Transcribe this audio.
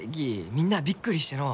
みんなあびっくりしてのう。